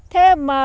thế mà nếu mà ấm